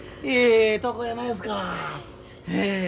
いいえ